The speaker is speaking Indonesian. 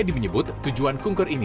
edi menyebut tujuan kungkur ini